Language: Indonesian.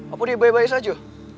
apa dia baik baik saja